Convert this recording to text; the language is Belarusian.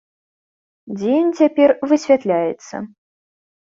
Дзе ён цяпер, высвятляецца.